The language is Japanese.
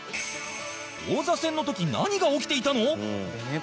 王座戦の時何が起きていたの？